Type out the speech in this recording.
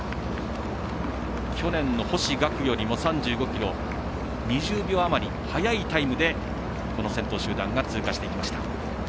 去年の星岳よりも３５ｋｍ２０秒余り早いタイムで、この先頭集団が通過していきました。